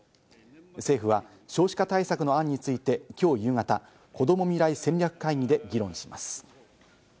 政府は少子化対策の案について、きょう夕方、こども未来戦略会議で議論します。